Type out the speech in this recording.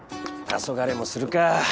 たそがれもするか。